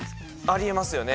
ありえますよね。